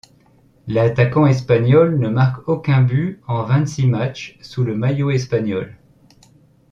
L'attaquant espagnol ne marque aucun but en vingt-six matchs sous le maillot espagnol.